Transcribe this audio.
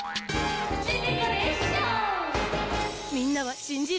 みんなはしんじる？